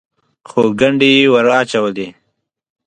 خو ګنډې یې ور اچولې.